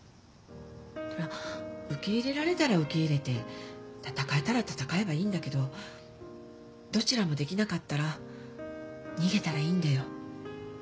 そりゃ受け入れられたら受け入れて戦えたら戦えばいいんだけどどちらもできなかったら逃げたらいいんだよ。